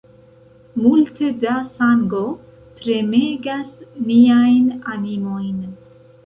Multe da sango premegas niajn animojn.